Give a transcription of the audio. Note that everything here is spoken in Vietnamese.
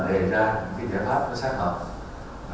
từ đó mà đề ra những cái giải pháp nó sáng hợp